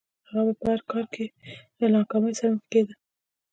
هغه به په هر کار کې له ناکامۍ سره مخ کېده